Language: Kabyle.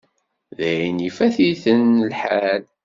Dayen, ifat-iten lḥal.